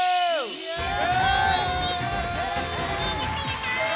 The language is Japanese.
イエイ！